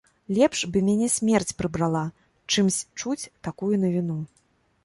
Лепш бы мяне смерць прыбрала, чымсь чуць такую навіну.